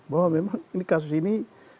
bahwa memang kasus ini